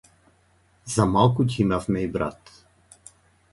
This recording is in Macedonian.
За малку ќе имавме и брат.